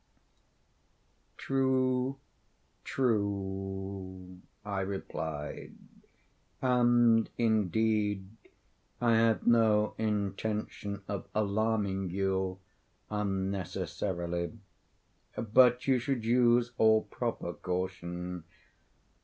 "True—true," I replied; "and, indeed, I had no intention of alarming you unnecessarily—but you should use all proper caution.